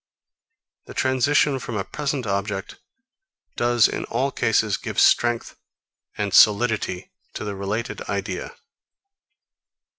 The transition from a present object does in all cases give strength and solidity to the related idea.